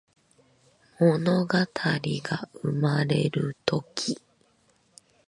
ものがたりがうまれるとき